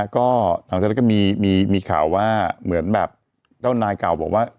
ก็หลังจากนั้นก็มีข่าวว่าเหมือนแบบเจ้านายเก่าบอกว่า